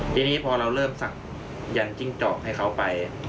ทีนี้พอเราเริ่มศักดิ์ยันจิ้งจอกให้เขาไป